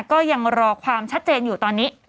ก็ยังรอความชัดเจนอยู่ตอนนี้